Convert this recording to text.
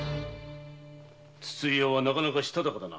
筒井屋はなかなかしたたかだな。